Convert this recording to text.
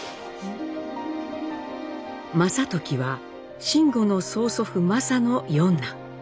應辰は辰吾の曽祖父・應の四男。